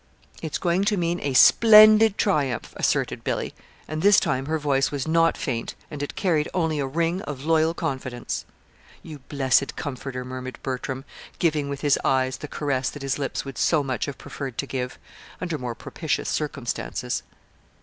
"It's going to mean a splendid triumph!" asserted Billy; and this time her voice was not faint, and it carried only a ring of loyal confidence. "You blessed comforter!" murmured Bertram, giving with his eyes the caress that his lips would so much have preferred to give under more propitious circumstances.